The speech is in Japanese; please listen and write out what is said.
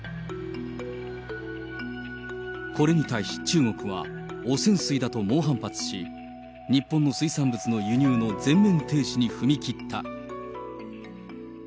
これに対し中国は、汚染水だと猛反発し、日本の水産物の輸入の全面停止に踏み切った。